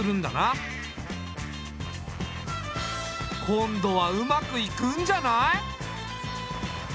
今度はうまくいくんじゃない？